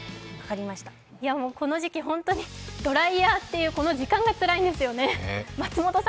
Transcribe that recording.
この時期、本当にドライヤーっていう時間がつらいんですよね。